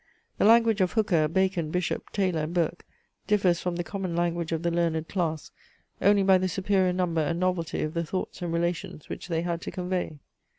The language of Hooker, Bacon, Bishop Taylor, and Burke differs from the common language of the learned class only by the superior number and novelty of the thoughts and relations which they had to convey.